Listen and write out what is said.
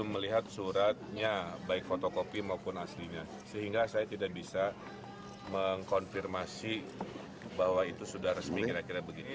menyatakan mengkonfirmasi bahwa itu sudah resmi kira kira begini